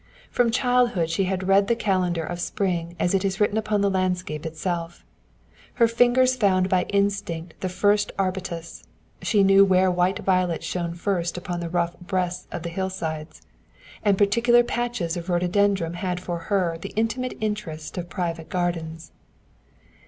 From childhood she had read the calendar of spring as it is written upon the landscape itself. Her fingers found by instinct the first arbutus; she knew where white violets shone first upon the rough breast of the hillsides; and particular patches of rhododendron had for her the intimate interest of private gardens.